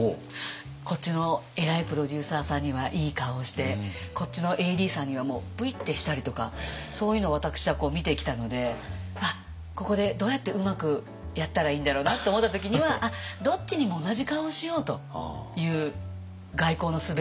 こっちの偉いプロデューサーさんにはいい顔してこっちのＡＤさんにはもうプイッてしたりとかそういうのを私は見てきたので「あっここでどうやってうまくやったらいいんだろうな」って思った時にはどっちにも同じ顔をしようという外交のすべを。